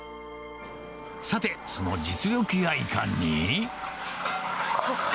さて、その実力やいかに。